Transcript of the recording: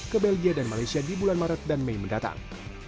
ke belgia dan malaysia di bulan maret dan mei mendatang